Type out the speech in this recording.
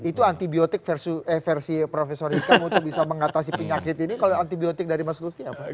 itu antibiotik versi profesor hikam untuk bisa mengatasi penyakit ini kalau antibiotik dari mas lusti apa